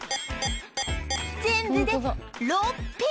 全部で６匹！